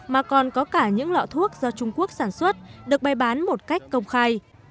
mà còn có cả những lọ thuốc do trung quốc sản xuất được bày bán một cách công khai